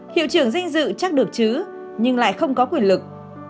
hiệu trưởng danh dự chắc được chứ nhưng lại không có quyền lực